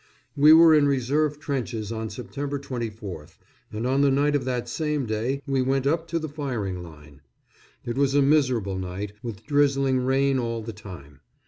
We were in reserve trenches on September 24th, and on the night of that same day we went up to the firing line. It was a miserable night, with drizzling rain all the time.